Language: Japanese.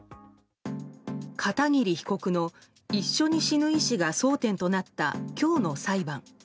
片桐被告の、一緒に死ぬ意思が争点となった今日の裁判。